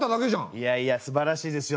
いやいやすばらしいですよ